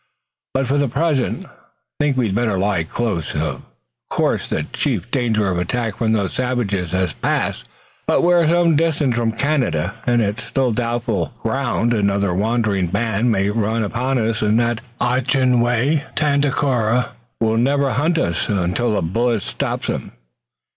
"But for the present I think we'd better lie close. Of course the chief danger of attack from those savages has passed, but we're some distance from Canada, and it's still doubtful ground. Another wandering band may run upon us and that Ojibway, Tandakora, will never quit hunting us, until a bullet stops him.